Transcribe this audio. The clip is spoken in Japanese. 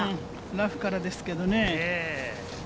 ラフからですけれどもね。